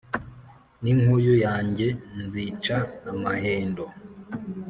n’inkuyu yanjye nzica amahendo